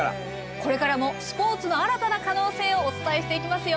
これからもスポーツの新たな可能性をお伝えしていきますよ。